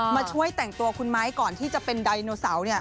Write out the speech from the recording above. มาช่วยแต่งตัวคุณไม้ก่อนที่จะเป็นไดโนเสาร์เนี่ย